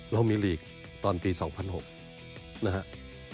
เรามีลีกตอนปี๒๐๐๖นะครับ